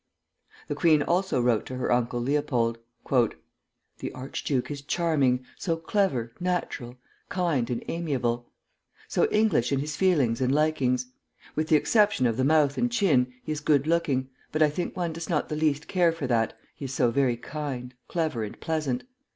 The queen also wrote to her uncle Leopold, "The archduke is charming, so clever, natural, kind, and amiable; so English in his feelings and likings. With the exception of the mouth and chin, he is good looking, but I think one does not the least care for that, he is so very kind, clever, and pleasant.